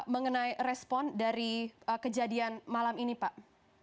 mengenai respon dari kejadian malam ini pak